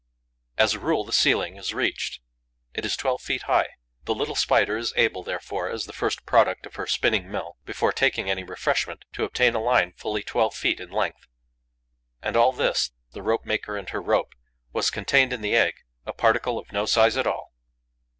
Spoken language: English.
As a rule, the ceiling is reached. It is twelve feet high. The little Spider is able, therefore, as the first product of her spinning mill, before taking any refreshment, to obtain a line fully twelve feet in length. And all this, the rope maker and her rope, was contained in the egg, a particle of no size at all.